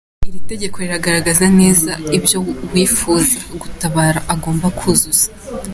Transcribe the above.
Iri tegeko rigaragaza neza ibyo uwifuza gutabara agomba kuzuza.